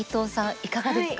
いかがですか？